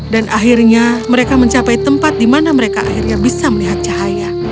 dan akhirnya mereka mencapai tempat di mana mereka akhirnya bisa melihat cahaya